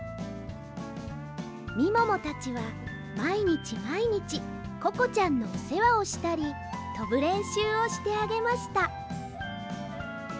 みももたちはまいにちまいにちココちゃんのおせわをしたりとぶれんしゅうをしてあげました